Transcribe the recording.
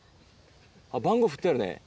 番号ふってあるね。